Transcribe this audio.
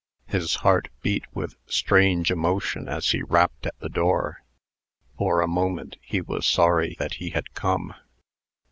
His heart beat with strange emotion as he rapped at the door. For a moment he was sorry that he had come.